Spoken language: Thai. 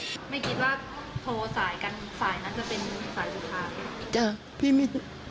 ไม่คิดว่าโทรสายกันสายนั้นจะเป็นสายสุดท้าย